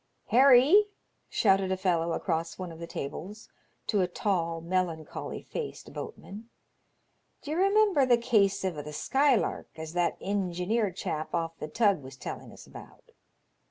" Harry," shouted a fellow across one of the tables to a tall, melancholy faced boatman, "d'ye remember the case of the Skylark as that ingeneer chap off the tug was telling us about